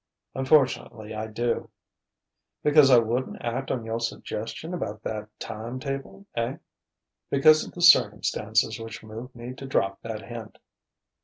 "Unfortunately, I do." "Because I wouldn't act on your suggestion about that time table, eh?" "Because of the circumstances which moved me to drop that hint."